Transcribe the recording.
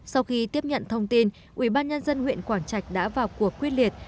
sau khi tiếp nhận thông tin ủy ban nhân dân huyện quảng trạch đã vào cuộc quyết liệt